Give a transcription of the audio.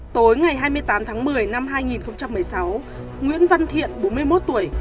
tối ngày hai mươi tám tháng một mươi năm hai nghìn một mươi sáu nguyễn văn thiện bốn mươi một tuổi